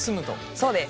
そうです。